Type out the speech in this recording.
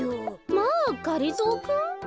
まあがりぞーくん？